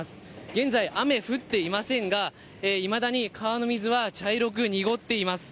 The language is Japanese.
現在、雨は降っていませんが、いまだに川の水は茶色く濁っています。